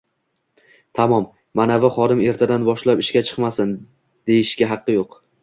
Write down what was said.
“tamom, manavi xodim ertadan boshlab ishga chiqmasin” deyishga haqqi yo‘q.